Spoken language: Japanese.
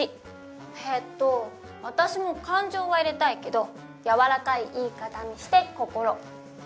えっと私も「感情」は入れたいけど軟らかい言い方にして「こころ」。